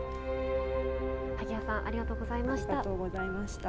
萩谷さんありがとうございました。